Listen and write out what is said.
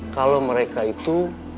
kalau mereka itu